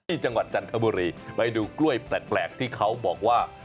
จังหวัดจันทบุรีไปดูกล้วยแปลกที่เขาบอกว่า